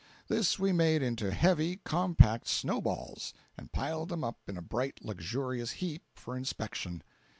This we made into heavy, compact snow balls, and piled them up in a bright, luxurious heap for inspection.